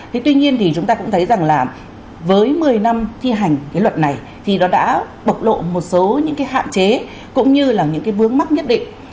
thế tuy nhiên thì chúng ta cũng thấy rằng là với một mươi năm thi hành cái luật này thì nó đã bộc lộ một số những cái hạn chế cũng như là những cái vướng mắc nhất định